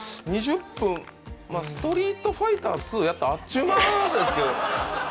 ２０分、「ストリートファイター２」やったらあっちゅう間ですけどね。